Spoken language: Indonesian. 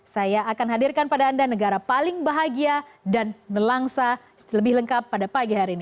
saya akan hadirkan pada anda negara paling bahagia dan melangsa lebih lengkap pada pagi hari ini